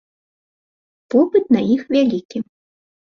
Попыт на іх вялікі.